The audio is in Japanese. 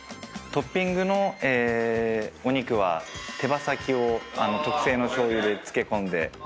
トッピングのお肉は手羽先を特製の醤油で漬け込んで。